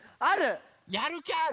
やるきある？